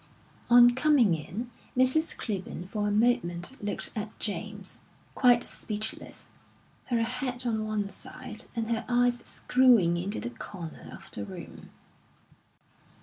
On coming in, Mrs. Clibborn for a moment looked at James, quite speechless, her head on one side and her eyes screwing into the corner of the room.